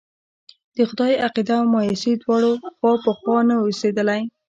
د خدای عقيده او مايوسي دواړه خوا په خوا نه اوسېدلی.